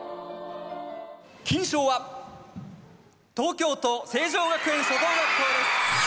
金賞は東京都成城学園初等学校です。